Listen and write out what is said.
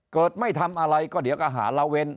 เกิดไม่ทำอะไรก็เดี๋ยวก็หาราเวน